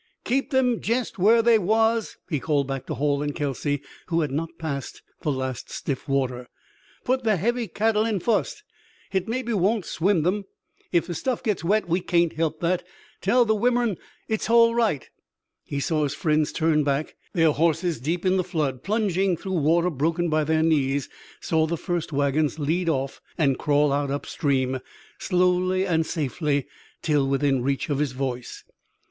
"Keep them jest whar we was!" he called back to Hall and Kelsey, who had not passed the last stiff water. "Put the heavy cattle in fust! Hit maybe won't swim them. If the stuff gets wet we kain't help that. Tell the wimern hit's all right." He saw his friends turn back, their horses, deep in the flood, plunging through water broken by their knees; saw the first wagons lead off and crawl out upstream, slowly and safely, till within reach of his voice.